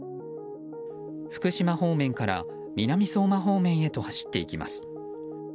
福島方面から南相馬方面へと走っていきます。